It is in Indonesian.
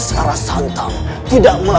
secara santang tidak